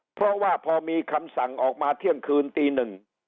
เพราะว่าพอมีคำสั่งออกมาเที่ยงคืนตีหนึ่ง